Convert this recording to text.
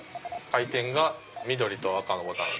回転が緑と赤のボタン。